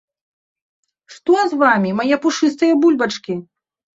Што з вамі, мае пушыстыя бульбачкі?